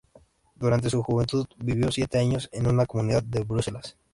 Durante su juventud vivió durante siete años en una comunidad en Bruselas.